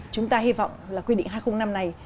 chúng ta hy vọng là quy định hai trăm linh năm này